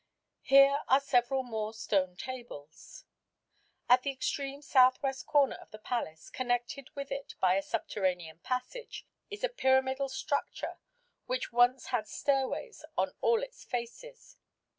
Here are several more stone tables. At the extreme south west corner of the palace, connected with it by a subterranean passage, is a pyramidal structure, which once had stairways on all its faces.